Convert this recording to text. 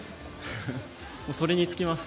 それに尽きます。